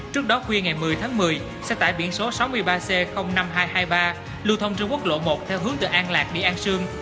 trước đó khuya ngày một mươi tháng một mươi xe tải biển số sáu mươi ba c năm nghìn hai trăm hai mươi ba lưu thông trên quốc lộ một theo hướng từ an lạc đi an sương